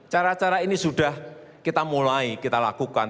cara cara ini sudah kita mulai kita lakukan